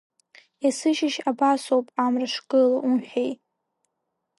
Есышьыжь абасоуп амра шгыло умҳәеи?